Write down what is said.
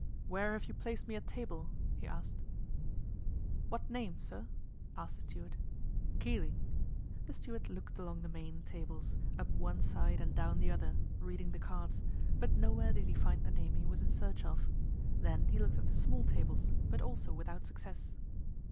"Where have you placed me at table?" he asked. "What name, sir?" asked the steward. "Keeling." The steward looked along the main tables, up one side and down the other, reading the cards, but nowhere did he find the name he was in search of. Then he looked at the small tables, but also without success.